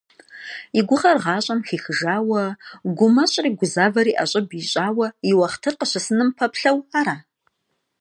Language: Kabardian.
И гугъэр гъащӏэм хихыжауэ, гумэщӏри гузавэри ӏэщӏыб ищӏауэ и уэхътыр къыщысыным пэплъэу ара?